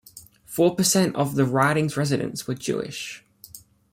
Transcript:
Four percent of the riding's residents were Jewish.